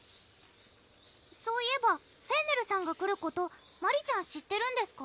そういえばフェンネルさんが来ることマリちゃん知ってるんですか？